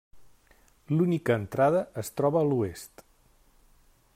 L'única entrada es troba a l'oest.